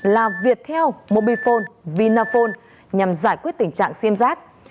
là viettel mobifone vinaphone nhằm giải quyết tình trạng sim giác